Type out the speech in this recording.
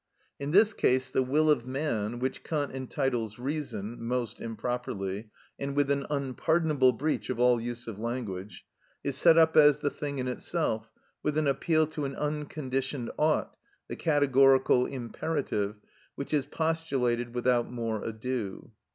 In this case the will of man (which Kant entitles reason, most improperly, and with an unpardonable breach of all use of language) is set up as the thing in itself, with an appeal to an unconditioned ought, the categorical imperative, which is postulated without more ado.